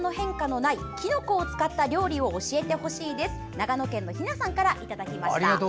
長野県の、ひなさんからいただきました。